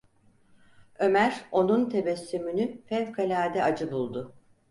Ömer onun tebessümünü fevkalade acı buldu.